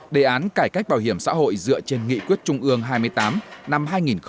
đề án cải cách bảo hiểm xã hội dựa trên nghị quyết trung ương hai mươi tám năm hai nghìn một mươi tám